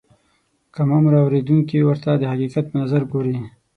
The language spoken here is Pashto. کم عمره اورېدونکي ورته د حقیقت په نظر ګوري.